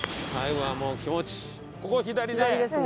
ここ左で。